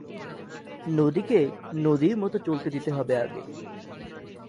নদীকে নদীর মতো চলতে দিতে হবে আগে।